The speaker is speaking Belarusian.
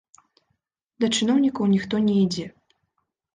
Да чыноўнікаў ніхто не ідзе.